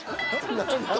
ちょっと。